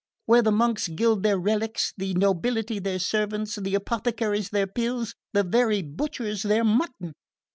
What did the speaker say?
Where the monks gild their relics, the nobility their servants, the apothecaries their pills, the very butchers their mutton?